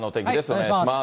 お願いします。